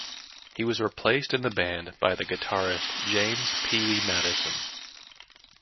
He was replaced in the band by the guitarist James "Pee Wee" Madison.